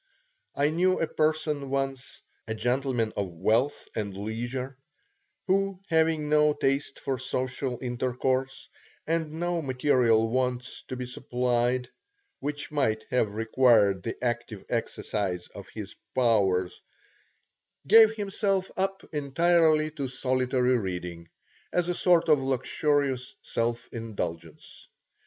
I knew a person once, a gentleman of wealth and leisure, who having no taste for social intercourse, and no material wants to be supplied, which might have required the active exercise of his powers, gave himself up entirely to solitary reading, as a sort of luxurious self indulgence.